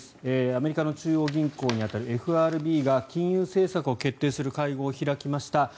アメリカの中央銀行に当たるＦＲＢが金融政策を決定する会合を開きました。